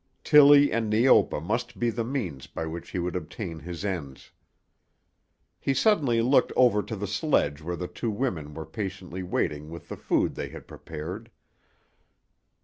Tillie and Neopa must be the means by which he would obtain his ends. He suddenly looked over to the sledge where the two women were patiently waiting with the food they had prepared.